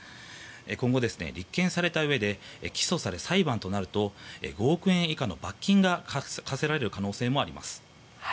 今後、立件されたうえで起訴され裁判となると５億円以下の罰金が科せられる可能性があります。